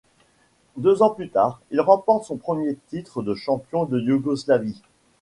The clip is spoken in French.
Deux ans plus tard, il remporte son premier titre de champion de Yougoslavie.